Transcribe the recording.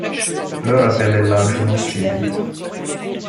Leur appel est largement suivi.